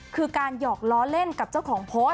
คือการหยอกล้อเล่นกับเจ้าของโพสต์